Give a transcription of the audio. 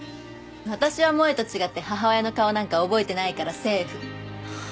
私は萌絵と違って母親の顔なんか覚えてないからセーフ。